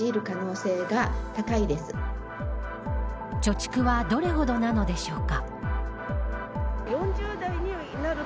貯蓄はどれほどなのでしょうか。